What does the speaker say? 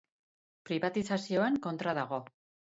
Pribatizazioen kontra dago.